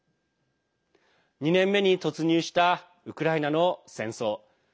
２年目に突入したウクライナの戦争。